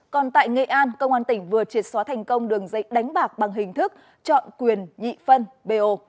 còn tại nghệ an công an tỉnh vừa triệt xóa thành công đường dây đánh bạc bằng hình thức chọn quyền nhị phân bo